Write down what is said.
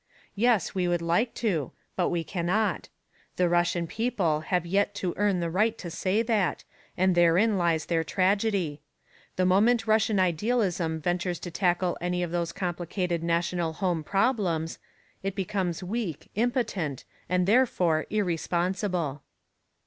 Yes, we would like to, but we cannot; the Russian people have yet to earn the right to say that, and therein lies their tragedy.... The moment Russian idealism ventures to tackle any of those complicated national home problems, it becomes weak, impotent and therefore irresponsible.